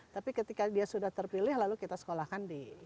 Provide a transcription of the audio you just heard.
tapi ketika dia sudah terpilih lalu kita sekolahkan di